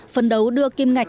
phần đấu đưa kim ngạch